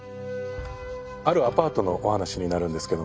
あるアパートのお話になるんですけども。